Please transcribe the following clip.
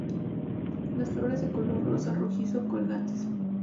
Las flores de color rosa rojizo, colgantes.